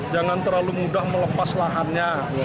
jangan terlalu mudah melepas lahannya